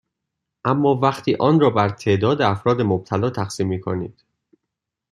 اما وقتی آن را بر تعداد افراد مبتلا تقسیم میکنید